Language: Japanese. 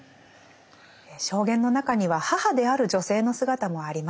証言の中には母である女性の姿もあります。